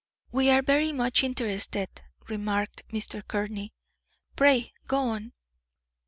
"We are very much interested," remarked Mr. Courtney. "Pray, go on."